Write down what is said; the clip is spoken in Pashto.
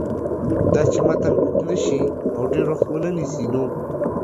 داچې متن اوږد نشي او ډېر وخت ونه نیسي نو